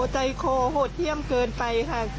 ใจคอโหดเยี่ยมเกินไปค่ะ